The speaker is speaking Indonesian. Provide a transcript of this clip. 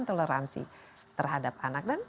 toleransi terhadap anak dan